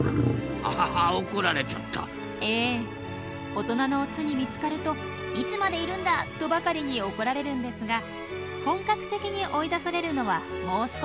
大人のオスに見つかると「いつまでいるんだ！」とばかりに怒られるんですが本格的に追い出されるのはもう少し先のこと。